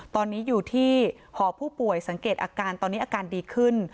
ตอนนี้อยู่ที่หอผู้ป่วยสังเกตอาการตอนนี้อาการดีขึ้น